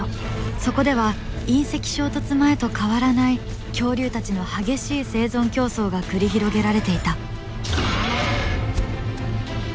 そこでは隕石衝突前と変わらない恐竜たちの激しい生存競争が繰り広げられていた。